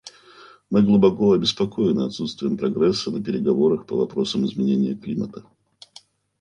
Мы глубоко обеспокоены отсутствием прогресса на переговорах по вопросам изменения климата.